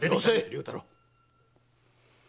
竜太郎。